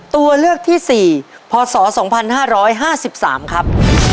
ตัวเลือกที่๔พศ๒๕๕๓ครับ